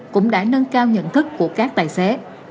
cũng đã nâng cao nhận thức của các tài xế